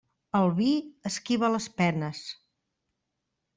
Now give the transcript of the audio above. El vi esquiva les penes.